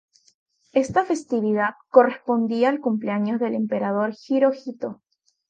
Esta festividad correspondía al cumpleaños del Emperador Hirohito.